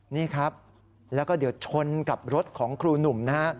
นี่ครับแล้วก็เดี๋ยวชนกับรถของครูหนุ่มนะฮะ